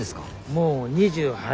もう２８。